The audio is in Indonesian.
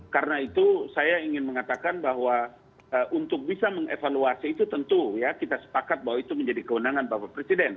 karena itu saya ingin mengatakan bahwa untuk bisa mengevaluasi itu tentu ya kita sepakat bahwa itu menjadi kewenangan bapak presiden